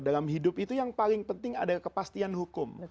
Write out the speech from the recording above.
dalam hidup itu yang paling penting adalah kepastian hukum